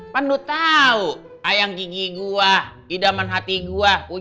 pandu tau ayam gigi gua idaman hati gua hujan hati gua